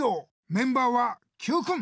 メンバーはＱくん。